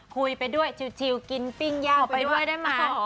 คุยไปด้วยชิวกินปิ้งย่างไปด้วยได้ไหม